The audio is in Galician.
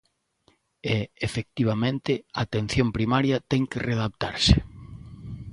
E, efectivamente, a atención primaria ten que readaptarse.